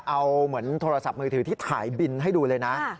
เอาเหมือนโทรศัพท์มือถือที่ถ่ายบินให้ดูเลยนะ